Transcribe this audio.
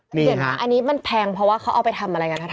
เห็นไหมครับมันแพงเพราะว่าเขาเอาไปทำอะไรนะครับ